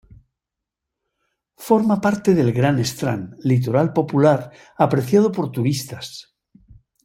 Forma parte del Grand Strand, litoral popular apreciado por turistas.